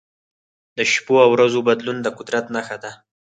د شپو او ورځو بدلون د قدرت نښه ده.